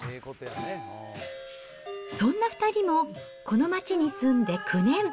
そんな２人もこの町に住んで９年。